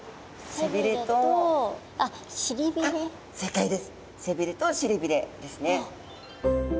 背びれとしりびれですね。